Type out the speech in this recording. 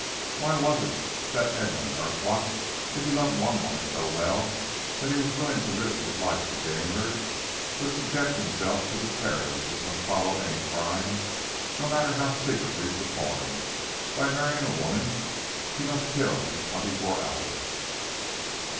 Why was it that Edwin Urquhart, if he loved one woman so well that he was willing to risk his life to gain her, would subject himself to the terrors which must follow any crime, no matter how secretly performed, by marrying a woman he must kill in twenty four hours?